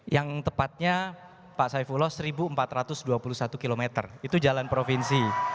yang tepatnya pak saifullah seribu empat ratus dua puluh satu km itu jalan provinsi